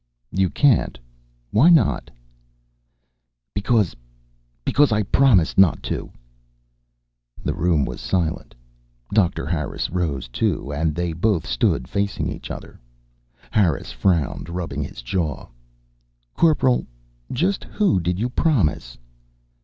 "You can't? Why not?" "Because because I promised not to." The room was silent. Doctor Harris rose, too, and they both stood facing each other. Harris frowned, rubbing his jaw. "Corporal, just who did you promise?"